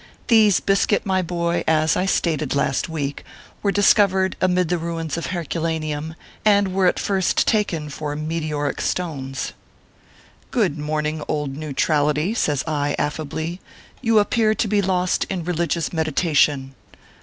These biscuit, my boy, as I stated last week, were discovered amid the ruins of Herculaneum, and were at first taken for meteoric stones. 132 ORPHEUS C. KERR PAPERS. " Good morning, old Neutrality/ says I, affably, " You appear to be lost in religious meditation."